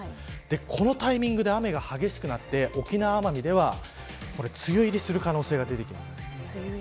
このタイミングで雨が激しくなって沖縄、奄美では梅雨入りする可能性が出てきます。